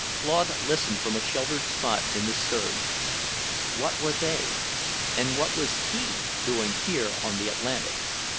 Claude listened from a sheltered spot in the stern. What were they, and what was he, doing here on the Atlantic?